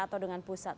atau dengan pusat